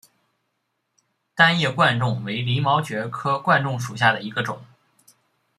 单叶贯众为鳞毛蕨科贯众属下的一个种。